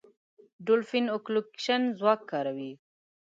ډولفین اکولوکېشن ځواک کاروي.